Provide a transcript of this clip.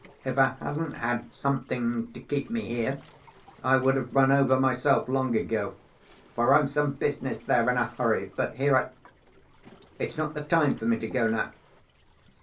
If I hadn't had something to keep me here, I would have run over myself long ago, for I've some business there in a hurry. But here I ... it's not the time for me to go now....